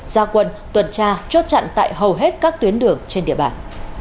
gia quân tuần tra chốt chặn tại hầu hết các tuyến đường trên địa bàn